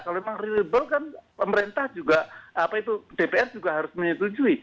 kalau memang realable kan pemerintah juga dpr juga harus menyetujui